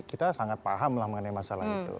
kita sangat paham lah mengenai masalah itu